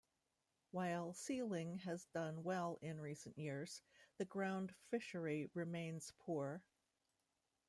While sealing has done well in recent years, the groundfishery remains poor.